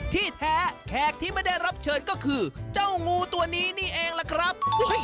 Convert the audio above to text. ที่แท้แขกที่ไม่ได้รับเชิญก็คือเจ้างูตัวนี้นี่เองล่ะครับ